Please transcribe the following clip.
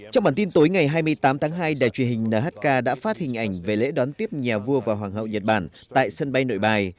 trong bản tin tối ngày hai mươi tám tháng hai đài truyền hình nhk đã phát hình ảnh về lễ đón tiếp nhà vua và hoàng hậu nhật bản tại sân bay nội bài